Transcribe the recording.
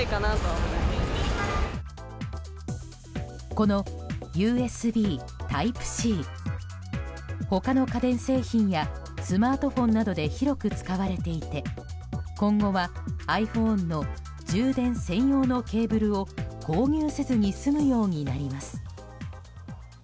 このＵＳＢＴｙｐｅ‐Ｃ他の家電製品やスマートフォンなどで広く使われていて今後はｉＰｈｏｎｅの充電専用のケーブルを購入せずに済むようになります。